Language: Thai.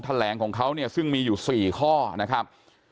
แถลงของเขาเนี่ยซึ่งมีอยู่๔ข้อนะครับ